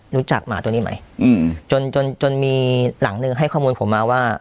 รู้จักหมาตัวนี้ไหม